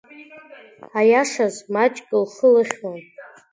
Аиашаз маҷк лхы лыхьуан.